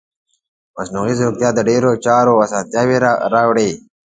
مصنوعي ځیرکتیا د ډیرو چارو اسانتیا راوړي.